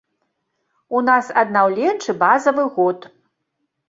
У нас аднаўленчы базавы год.